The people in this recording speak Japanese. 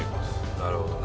なるほどね。